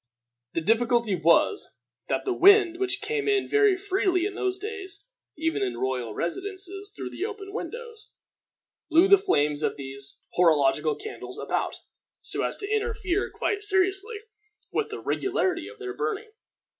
The difficulty was, that the wind, which came in very freely in those days, even in royal residences, through the open windows, blew the flames of these horological candles about, so as to interfere quite seriously with the regularity of their burning.